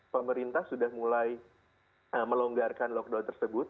pemerintah sudah mulai melonggarkan lockdown tersebut